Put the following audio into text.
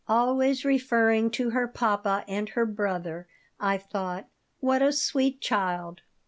"Always referring to her papa and her brother," I thought. "What a sweet child."